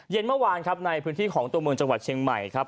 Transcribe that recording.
เย็นเมื่อวานครับในพื้นที่ของตัวเมืองจังหวัดเชียงใหม่ครับ